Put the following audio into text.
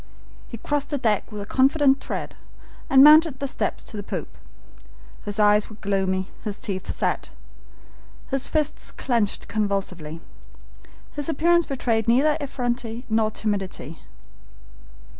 He crossed the deck with a confident tread, and mounted the steps to the poop. His eyes were gloomy, his teeth set, his fists clenched convulsively. His appearance betrayed neither effrontery nor timidity.